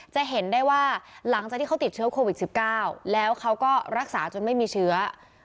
จะเห็นได้ว่าหลังจากที่เขาติดเชื้อโควิด๑๙แล้วเขาก็รักษาจนไม่มีเชื้อ